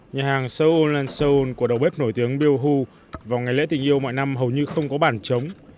nhà hàng seoul seoul của đầu bếp nổi tiếng bill hu vào ngày lễ tình yêu mọi năm hầu như không có bản chống